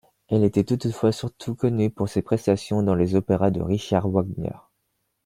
Elle était toutefois surtout connue pour ses prestations dans les opéras de Richard Wagner.